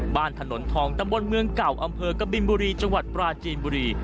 ถนนทองตำบลเมืองเก่าอำเภอกบินบุรีจังหวัดปราจีนบุรี